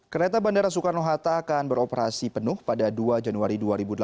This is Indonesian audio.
kereta bandara soekarno hatta akan beroperasi penuh pada dua januari dua ribu delapan belas